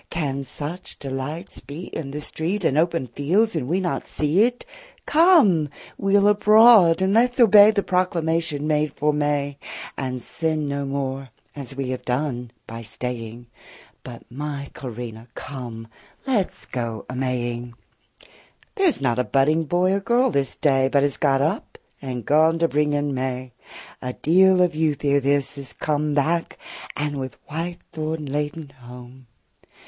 Can such delights be in the street And open fields, and we not see 't? Come, we'll abroad: and let 's obey The proclamation made for May, 40 And sin no more, as we have done, by staying; But, my Corinna, come, let 's go a Maying. There 's not a budding boy or girl this day But is got up and gone to bring in May. A deal of youth ere this is come 45 Back, and with white thorn laden home.